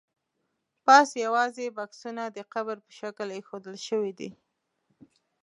پاس یوازې بکسونه د قبر په شکل ایښودل شوي دي.